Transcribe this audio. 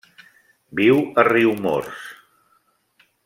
Viu a Riumors.